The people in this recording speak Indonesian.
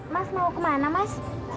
mas mau kemana mas